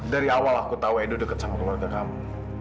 dari awal aku tahu edo deket sama keluarga kamu